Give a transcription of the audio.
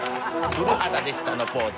古畑でしたのポーズ。